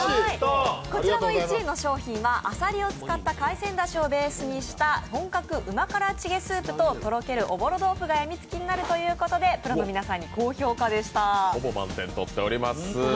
こちらの１位の商品はあさりを使った海鮮だしをベースにした本格うま辛チゲスープととろけるおぼろ豆腐がやみつきになるということでプロの皆さんに高評価でした。